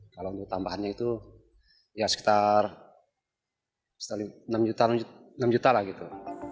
kalau tambahannya itu ya sekitar enam juta lah gitu